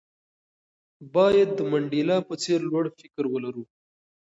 باید د منډېلا په څېر لوړ فکر ولرو.